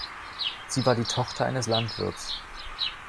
Sie war die Tochter eines Landwirts.